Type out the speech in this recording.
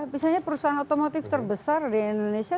misalnya perusahaan otomotif terbesar di indonesia